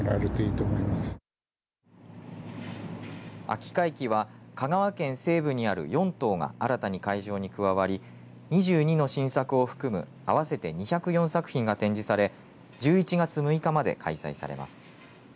秋会期は、香川県西部にある４島が新たに会場に加わり２２の新作を含む合わせて２０４作品が展示され１１月６日まで開催されます。